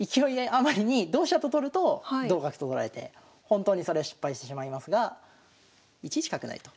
余りに同飛車と取ると同角と取られて本当にそれ失敗してしまいますが１一角成と。